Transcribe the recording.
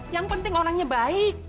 yang penting orangnya baik